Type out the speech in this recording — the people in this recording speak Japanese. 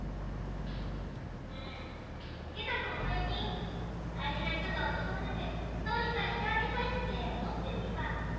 んゲタ子も最近大事な人が落ち込んでてどうにかしてあげたいって思ってるゲタ。